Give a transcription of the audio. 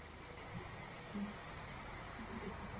wamehusika na mateso Gilmore alisema katika mkutano na wanahabari